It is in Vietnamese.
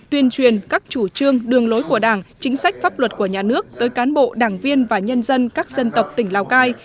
tuyên truyền các chủ trương đường lối của đảng chính sách pháp luật của nhà nước tới cán bộ đảng viên và nhân dân các dân tộc tỉnh lào cai